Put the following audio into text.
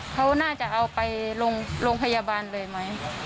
เขาน่าจะเอาไปโรงพยาบาลเลยไหม